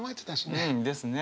うんですね